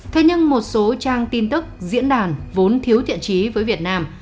thế nhưng một số trang tin tức diễn đàn vốn thiếu thiện trí với việt nam